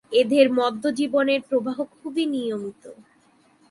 এদের মধ্য জীনের প্রবাহ খুবই নিয়মিত।